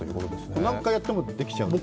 これ何回やってもできちゃうんですか？